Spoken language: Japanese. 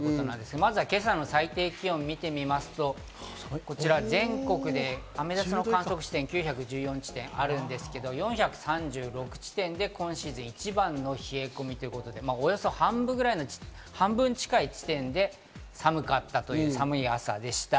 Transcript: まずは今朝の最低気温を見てみますと、こちら全国でアメダス観測地点が９１４地点あるんですけど、４３６地点で今シーズン一番の冷え込みということで、およそ半分近い地点で寒かった、寒い朝でした。